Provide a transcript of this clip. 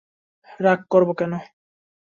রাগ করবো কেন।